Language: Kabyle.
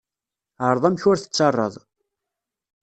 Ԑreḍ amek ur tettarraḍ.